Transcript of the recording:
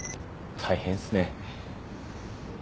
大変っすね。